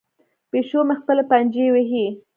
پیشو مې خپلې پنجې وهي.